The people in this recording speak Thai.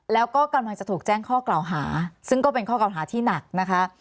แล้วก็กำลังจะถูกแจ้งข้อกล่าวหาซึ่งก็เป็นข้อกล่าวหาที่หนักนะคะ